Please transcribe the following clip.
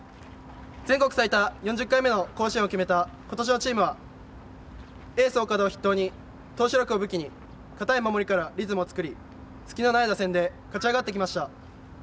全国最多４０回目の甲子園を決めた今年のチームはエース・岡田を筆頭に投手力を武器に堅い守りからリズムを作り隙のない打線で勝ち上がってきました。